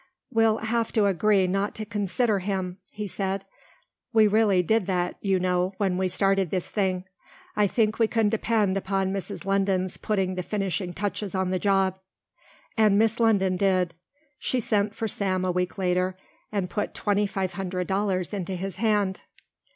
"We'll have to agree not to consider him," he said. "We really did that you know when we started this thing. I think we can depend upon Miss London's putting the finishing touches on the job." And Miss London did. She sent for Sam a week later and put tweny five hundred dollars into his hand.